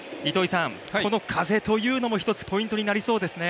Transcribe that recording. この風というのも一つポイントになりそうですね。